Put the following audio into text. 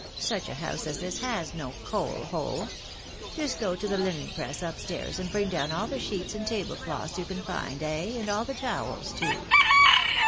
Such a house as this has no coal hole. Just go to the linen press up stairs and bring down all the sheets and table cloths you can find, ay, and all the towels too.